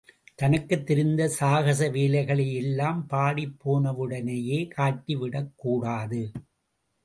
தனக்குத் தெரிந்த சாகச வேலைகளையெல்லாம் பாடிப் போனவுடனேயே காட்டிவிடக் கூடாது.